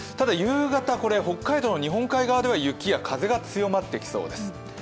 夕方、北海道の日本海側では風や雪が強まってきそうです。